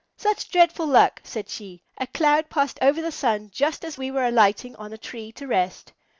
"Such dreadful luck!" said she. "A cloud passed over the sun just as we were alighting on a tree to rest."